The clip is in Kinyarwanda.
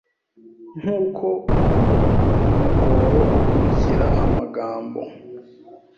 Nkuko umuhoro ukurikira amagambo